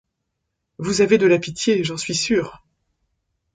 Vous avez de la pitié, j’en suis sûre.